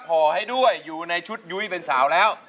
ห่อให้ด้วยอยู่ในชุดยุ้ยเป็นสาวแล้ว